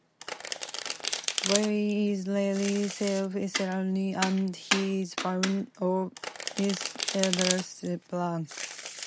Erwin is rather self-centered, and he is fond of mischievous pranks.